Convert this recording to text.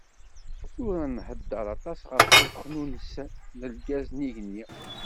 Tura nhedder aṭas ɣef uxnunnes n lgaz n yigenni.